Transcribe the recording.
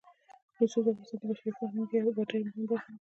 رسوب د افغانستان د بشري فرهنګ یوه ډېره مهمه برخه ده.